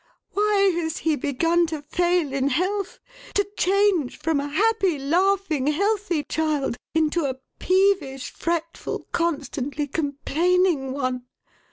Why has he begun to fail in health? to change from a happy, laughing, healthy child into a peevish, fretful, constantly complaining one?